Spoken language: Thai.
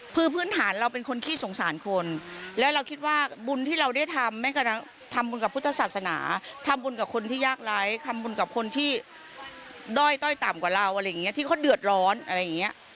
คือพื้นฐานเราเป็นคนขี้สงสารคนแล้วเราคิดว่าบุญที่เราได้ทำทำบุญกับพุทธศาสนาทำบุญกับคนที่ยากไร้ทำบุญกับคนที่ด้อยต้อยต่ำกว่าเราอะไรอย่างเงี้ที่เขาเดือดร้อนอะไรอย่างเงี้ย